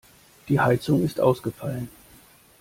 Die Heizung ist ausgefallen.